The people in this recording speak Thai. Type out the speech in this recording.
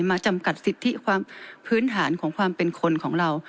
จำกัดสิทธิความพื้นฐานของความเป็นคนของเรา